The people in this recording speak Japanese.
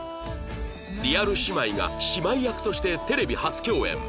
リアル姉妹が姉妹役としてテレビ初共演